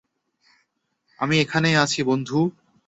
আমি এখানেই আছি, বন্ধু!